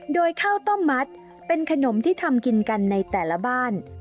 โดยข้าวต้มมัดเป็นขนมที่ทำกินกันในแต่ละบ้าน